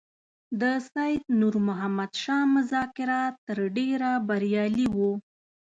د سید نور محمد شاه مذاکرات تر ډېره بریالي وو.